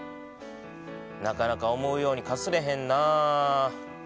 なかなか思うようにかすれへんなあ。